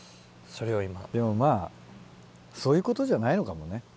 でもまぁそういうことじゃないのかもね。